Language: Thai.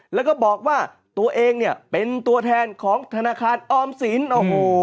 แล้วก็บอกว่าตัวเองเนี่ยเป็นตัวแทนของธนาคารออมสินโอ้โห